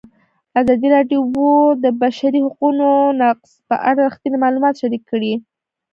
ازادي راډیو د د بشري حقونو نقض په اړه رښتیني معلومات شریک کړي.